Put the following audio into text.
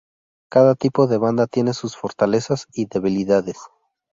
Cada tipo de banda tiene sus fortalezas y debilidades.